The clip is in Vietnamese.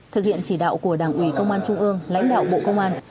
thực hiện chỉ đạo của đảng ủy công an trung ương lãnh đạo bộ công an